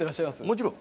もちろん。